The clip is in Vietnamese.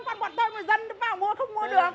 còn bọn tôi người dân bán buôn